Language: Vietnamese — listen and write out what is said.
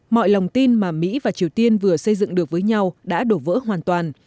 mọi lòng tin mà mỹ và triều tiên vừa xây dựng được với nhau đã đổ vỡ hoàn toàn